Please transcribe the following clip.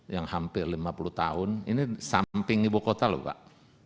yang hampir lima puluh tahun ini samping ibu kota loh pak